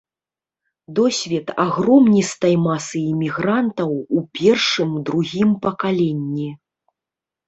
Досвед агромністай масы імігрантаў у першым-другім пакаленні.